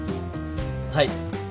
はい。